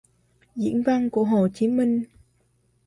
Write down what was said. Diễn văn của Hồ Chí Minh